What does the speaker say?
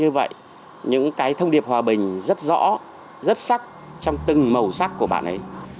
những bức tranh như vậy những cái thông điệp hòa bình rất rõ rất sắc trong từng màu sắc của bạn ấy